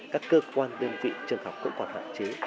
các cơ quan đơn vị trường học cũng còn hạn chế